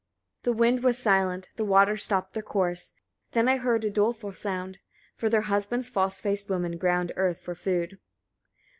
57. The wind was silent, the waters stopped their course; then I heard a doleful sound: for their husbands false faced women ground earth for food.